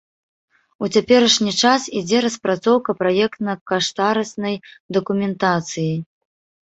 У цяперашні час ідзе распрацоўка праектна-каштарыснай дакументацыі.